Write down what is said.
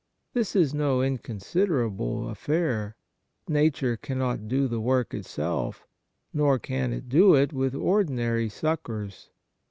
This is no inconsiderable affair. Nature cannot do the work itself, nor can it do it with ordinary succours.